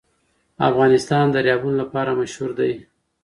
افغانستان د دریابونه لپاره مشهور دی.